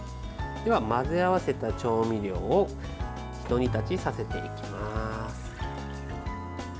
混ぜ合わせた調味料をひと煮立ちさせていきます。